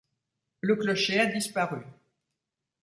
Le clocher a disparu.